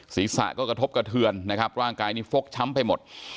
ศีรษะก็กระทบกระเทือนนะครับร่างกายนี่ฟกช้ำไปหมด